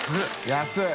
安い。